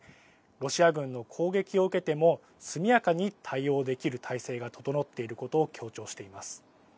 ロシア軍の攻撃を受けても速やかに対応できる態勢が整っていることを強調しています。